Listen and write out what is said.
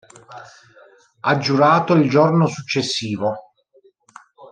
Ha giurato il giorno successivo.